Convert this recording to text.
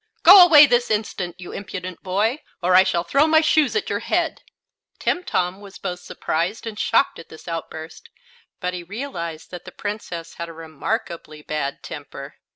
Go away this instant, you impudent boy, or I shall throw my shoe at your head!" Timtom was both surprised and shocked at this outburst, but he realized that the Princess had a remarkably bad temper.